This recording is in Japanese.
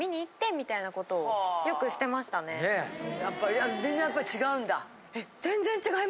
やっぱりみんなやっぱり違うんだ？え？